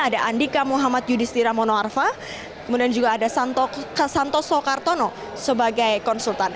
ada andika muhammad yudhistira monoarfa kemudian juga ada santoso kartono sebagai konsultan